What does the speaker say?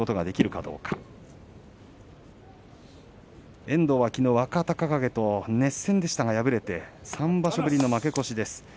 そして遠藤は、きのう若隆景と熱戦でしたが敗れて３場所ぶりの負け越しです。